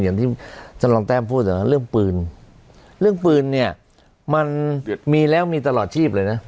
อย่างที่ท่านรองแต้มพูดนะเรื่องปืนเรื่องปืนเนี่ยมันมีแล้วมีตลอดชีพเลยนะ